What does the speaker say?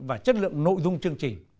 và chất lượng nội dung chương trình